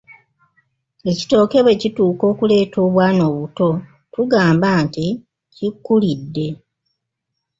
Ekitooke bwe kituuka okuleeta obwana obuto tugamba nti kikkulide.